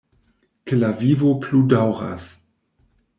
Ke la vivo plu daŭras!